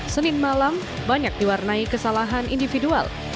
senin malam banyak diwarnai kesalahan individual